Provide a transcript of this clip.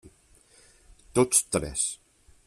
Tots tres.